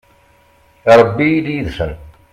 a rebbi ili yid-sen